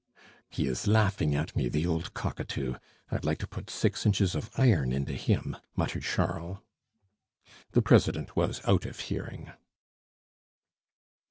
"He is laughing at me, the old cockatoo! I'd like to put six inches of iron into him!" muttered Charles. The president was out of hearing.